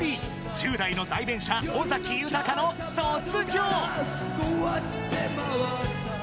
１０代の代弁者尾崎豊の『卒業』］